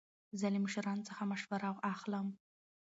زه له مشرانو څخه مشوره اخلم.